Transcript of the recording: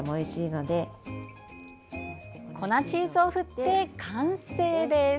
粉チーズを振って完成です！